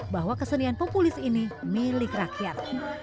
bahwa kesenian populis ini milik rakyat